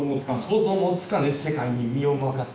「想像もつかぬ世界に身を任せ」